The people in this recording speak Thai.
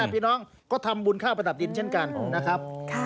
พี่น้องก็ทำบุญข้าวประดับดินเช่นกันนะครับ